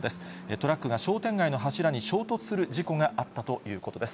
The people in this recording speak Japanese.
トラックが商店街の柱に衝突する事故があったということです。